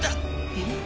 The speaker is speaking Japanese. えっ？